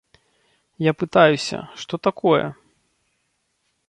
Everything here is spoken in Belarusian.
Я пытаюся, што такое?